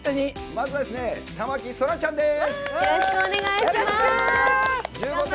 まずは、田牧そらちゃんです。